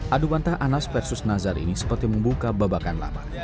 adu bantah anas versus nazar ini seperti membuka babakan lama